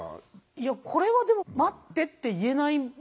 いやこれはでも「待って」って言えない自然現象ですよね。